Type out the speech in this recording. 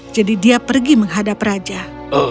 jadi dia pergi menjaga